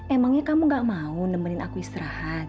emangnya kamu gak mau nemenin aku istirahat